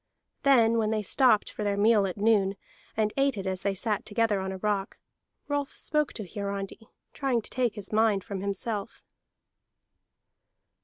Then when they stopped for their meal at noon, and ate it as they sat together on a rock, Rolf spoke to Hiarandi, trying to take his mind from himself.